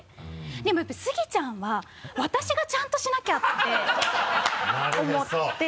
でもやっぱりスギちゃんは「私がちゃんとしなきゃ」って思って。